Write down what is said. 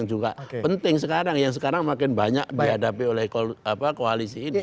yang juga penting sekarang yang sekarang makin banyak dihadapi oleh koalisi ini